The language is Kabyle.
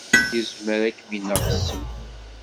Izmer ad kem-ineɣ ssem.